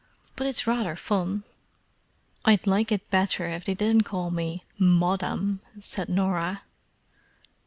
But it's rather fun." "I'd like it better if they didn't call me 'Moddam,'" said Norah.